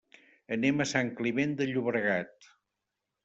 Anem a Sant Climent de Llobregat.